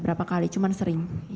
berapa kali cuman sering